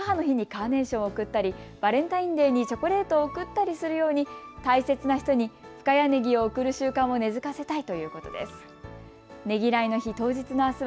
深谷市では母の日にカーネーションを贈ったりバレンタインデーにチョコレートを贈ったりするように大切な人に深谷ねぎを贈る習慣を根づかせたいということです。